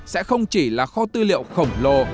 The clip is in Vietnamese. sẽ không chỉ là kho tư liệu khổng lồ